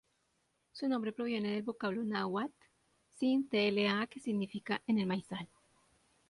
Su nombre proviene del vocablo náhuatl "Cin-tla", que significa ""En el maizal"".